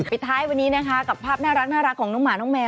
ปิดท้ายวันนี้นะคะกับภาพน่ารักของน้องหมาน้องแมว